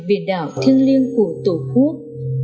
biển đảo thiêng liêng của tổ quốc